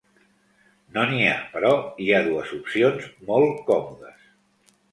No n'hi ha, però hi ha dues opcions molt còmodes.